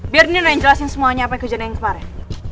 biar nih udah yang jelasin semuanya apa yang kejadian yang kemarin